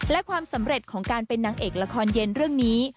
และความสำเร็จของการเป็นนางเอกละครเย็นเรื่องนี้